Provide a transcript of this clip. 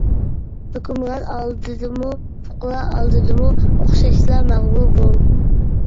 ھۆكۈمران ئالدىدىمۇ، پۇقرا ئالدىدىمۇ ئوخشاشلا مەغرۇر بول.